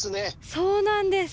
そうなんです！